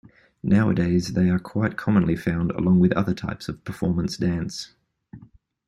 Nowadays they are quite commonly found along with other types of performance dance.